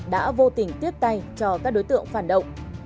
đã vô tình tiếp tay cho các đối tượng phản động